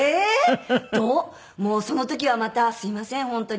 もうその時はまたすみません本当に。